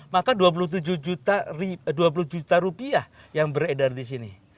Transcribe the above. maka dua puluh juta rupiah yang beredar di sini